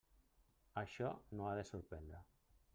Això no ha de sorprendre.